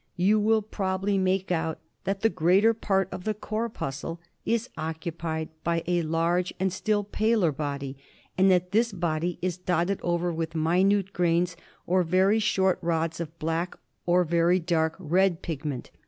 You will probably make out that the greater part of the corpuscle is occu pied by a large and still paler body, and that this body is dotted over with minute grains or very short rods of black or very dark red pigment.